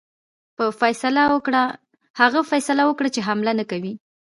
هغه فیصله وکړه چې حمله نه کوي.